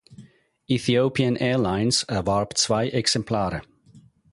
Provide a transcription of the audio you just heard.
Ethiopian Airlines erwarb zwei Exemplare.